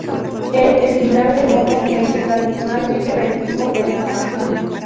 Es el final del modo en el que tradicionalmente recibimos la información.